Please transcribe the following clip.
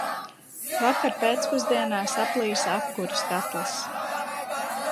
Vakar pēcpusdienā saplīsa apkures katls.